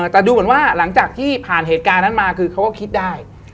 แต่ดูเหมือนว่าหลังจากที่ผ่านเหตุการณ์นั้นมาคือเขาก็คิดได้